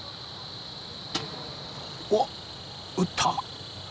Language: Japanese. おっ打った。